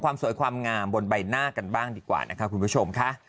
สวยความงามบนใบหน้ากันบ้างดีกว่านะคะคุณผู้ชมค่ะ